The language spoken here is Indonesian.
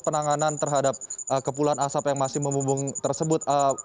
penanganan terhadap kepulan asap yang masih memumbung tersebut